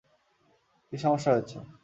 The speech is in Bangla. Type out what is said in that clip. কী সমস্যা হয়েছে?